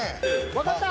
分かった！